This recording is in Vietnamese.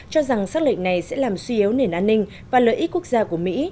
cho rằng xác lệnh này sẽ làm suy yếu nền an ninh và lợi ích quốc gia của mỹ